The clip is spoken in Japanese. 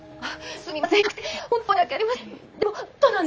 すいません。